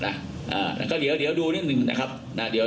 นะอ่าแล้วก็เดี๋ยวเดี๋ยวดูนิดหนึ่งนะครับนะเดี๋ยว